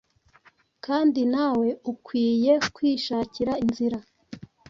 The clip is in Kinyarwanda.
kandi nawe ukwiye kwishakira inzira.